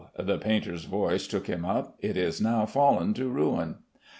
the painter's voice took him up, "it is now fall'n to ruin."